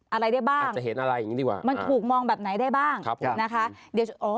อะไรได้บ้างมันถูกมองแบบไหนได้บ้างนะคะเดี๋ยวโอ้